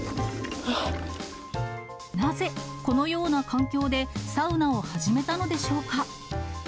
なぜ、このような環境でサウナを始めたのでしょうか。